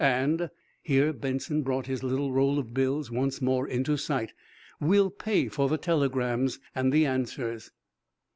And" here Benson brought his little roll of bills once more into sight "we'll pay for the telegrams and the answers."